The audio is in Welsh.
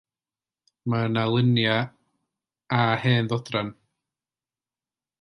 Mae yno luniau a hen ddodrefn.